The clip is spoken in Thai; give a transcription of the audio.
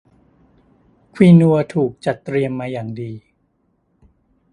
ควินัวถูกจัดเตรียมมาอย่างดี